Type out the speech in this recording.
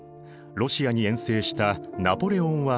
ロシアに遠征したナポレオンは敗退。